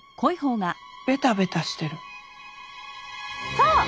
そう！